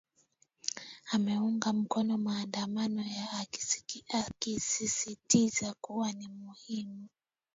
ameunga mkono maandamano hayo akisisitiza kuwa ni muhimu